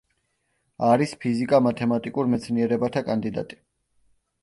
არის ფიზიკა-მათემატიკურ მეცნიერებათა კანდიდატი.